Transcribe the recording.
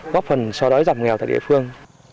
góp phần so đối giảm nghèo tại địa phương